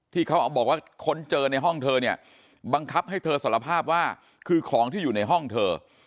เขาบอกว่าค้นเจอในห้องเธอเนี่ยบังคับให้เธอสารภาพว่าคือของที่อยู่ในห้องเธอ